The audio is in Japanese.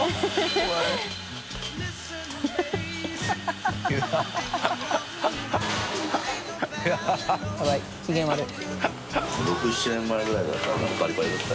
怖い機嫌悪い。